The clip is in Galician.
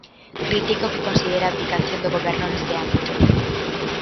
Critica o que considera abdicación do Goberno neste ámbito.